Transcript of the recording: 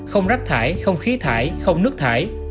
không rác thải không khí thải không nước thải